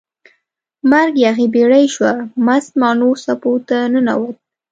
مرک یاغي بیړۍ شوه، مست ماڼو څپو ته ننووت